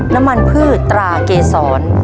น้ำมันพืชตราเกษร